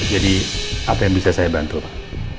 jadi apa yang bisa saya bantu pak